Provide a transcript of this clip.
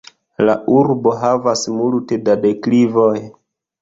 La urbo havas multe da deklivoj.